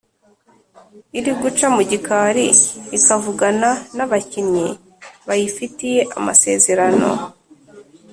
iri guca mu gikari ikavugana n’abakinnyi bayifitiye amasezerno